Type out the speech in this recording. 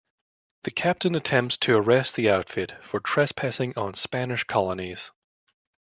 The Captain attempts to arrest the outfit for trespassing on Spanish colonies.